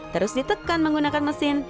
terus ditekan menggunakan mesin